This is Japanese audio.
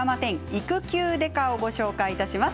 「育休刑事」をご紹介します。